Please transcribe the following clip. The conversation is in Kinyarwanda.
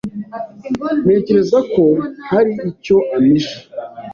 Ntekereza ko hari icyo ampishe.